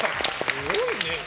すごいね。